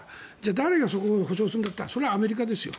誰がそこを保証するんだってそれはアメリカですよ。